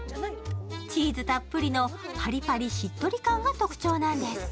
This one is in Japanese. チーズたっぷりのパリパリしっとり感が特徴なんです。